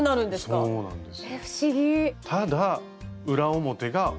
はいそうなんです。